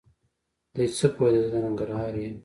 دی څه پوهېده زه د ننګرهار یم؟!